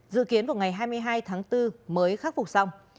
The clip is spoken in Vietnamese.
dự kiến vào ngày hai mươi hai tháng bốn mới khắc phục xong